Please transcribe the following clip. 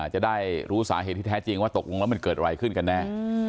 จะได้รู้สาเหตุที่แท้จริงว่าตกลงแล้วมันเกิดอะไรขึ้นกันแน่